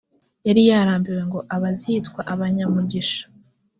yari yarabwiwe ngo abazitwa abanyamugisha